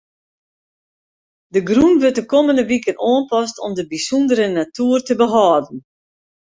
De grûn wurdt de kommende wiken oanpast om de bysûndere natuer te behâlden.